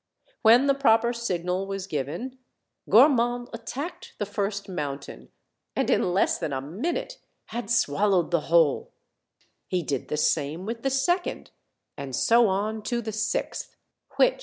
When the proper signal was given Gormand attacked the firs 4 : mountain, and in less than a minute had swallowed the whole; he did the same with the second, and so on to the sixth, which h:r i